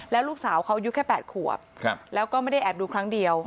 แล้วลูกสาวเขาอายุแค่๘ขวบแล้วก็ไม่ได้แอบดูครั้งเดียว